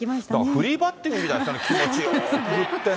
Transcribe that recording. フリーバッティングみたいな、気持ちよーく振ってね。